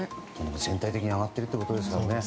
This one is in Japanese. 全体的に上がっているということですね。